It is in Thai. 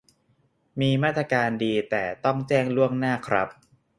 มีมาตรการดี แต่ต้องแจ้งล่วงหน้าครับ